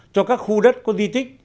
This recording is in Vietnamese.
cho các khu đất có di tích